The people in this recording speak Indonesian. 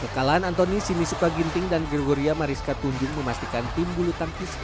kekalahan antoni simisuka ginting dan gregoria mariska tunjung memastikan tim bulu tangkis ini bisa menang